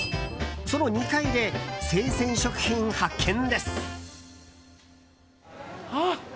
その２階で生鮮食品発見です。